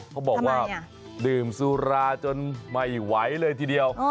เขาบอกว่าดื่มสุราจนไม่ไหวเลยทีเดียว